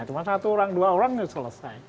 cuma satu orang dua orang selesai